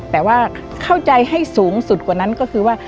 แต่ว่าเข้าใจให้สูงสุดกว่านั้นก็คือว่า